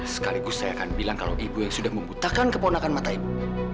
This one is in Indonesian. sekaligus saya akan bilang kalau ibu yang sudah membutakan keponakan mata ibu